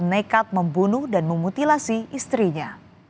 nekat membunuh dan memutilasi istrinya